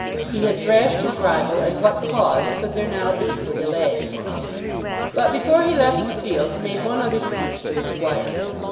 He had thrashed his rival, and what cause could there now be for delay? But before he left the field he made one other speech to the squire.